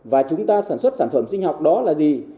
và chúng ta sản xuất sản phẩm sinh học đó là gì